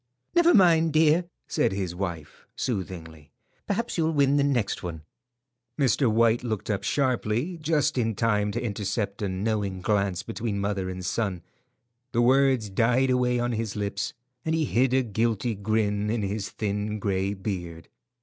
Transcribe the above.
"Never mind, dear," said his wife, soothingly; "perhaps you'll win the next one." Mr. White looked up sharply, just in time to intercept a knowing glance between mother and son. The words died away on his lips, and he hid a guilty grin in his thin grey beard.